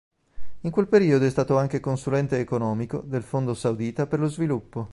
In quel periodo è stato anche consulente economico del Fondo saudita per lo sviluppo.